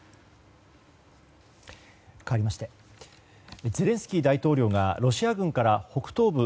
かわりましてゼレンスキー大統領がロシア軍から北東部